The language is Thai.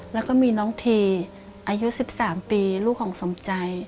แล้วก็มีน้องเทอายุ๑๓ปีลูกของสมใจ